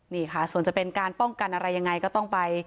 นี่ค่ะส่วนจะเป็นการป้องกันอะไรยังไงก็ต้องไป